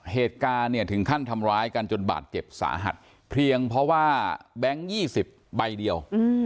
เหตุการณ์เนี่ยถึงขั้นทำร้ายกันจนบาดเจ็บสาหัสเพียงเพราะว่าแบงค์๒๐ใบเดียว